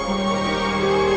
supaya kamu melawan mama